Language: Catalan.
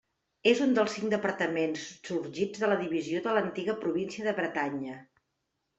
És un dels cinc departaments sorgits de la divisió de l'antiga província de Bretanya.